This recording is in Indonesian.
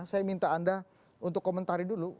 saya minta anda untuk komentari dulu